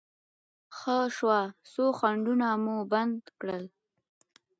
ښه شوه، څو خنډونه مو بند کړل.